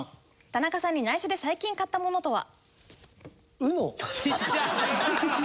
田中さんに内緒で最近買ったものとは？